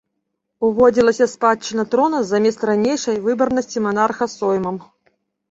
Уводзілася спадчыннасць трона замест ранейшай выбарнасці манарха соймам.